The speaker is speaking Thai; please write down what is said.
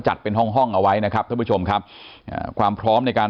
จัดเป็นห้องห้องเอาไว้นะครับท่านผู้ชมครับอ่าความพร้อมในการ